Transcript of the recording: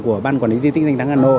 của ban quản lý di tích